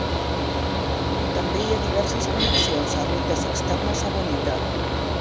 També hi ha diverses connexions a rutes externes a Bonita.